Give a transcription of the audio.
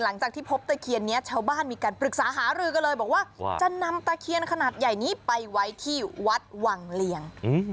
หลังจากที่พบตะเคียนนี้ชาวบ้านมีการปรึกษาหารือกันเลยบอกว่าจะนำตะเคียนขนาดใหญ่นี้ไปไว้ที่วัดวังเลียง